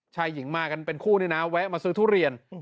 ชายหญิงมากันเป็นคู่นี่นะแวะมาซื้อทุเรียน